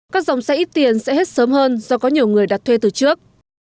các dòng xe ít tiền sẽ hết sớm hơn do có nhiều người đặt thuê từ trước